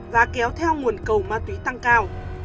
và kéo theo nguồn cầu ma túy tăng cao